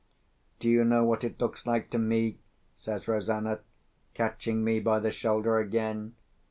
"Do you know what it looks like to me?" says Rosanna, catching me by the shoulder again.